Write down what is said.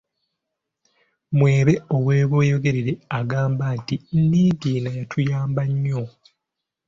Mwebe ow’e Bweyogerere agamba nti, ‘‘Niigiina yatuyamba nnyo".